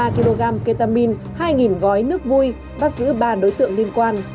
năm mươi ba kg ketamine hai gói nước vui bắt giữ ba đối tượng liên quan